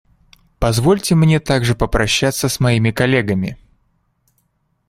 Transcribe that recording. Позвольте мне также попрощаться с моими коллегами.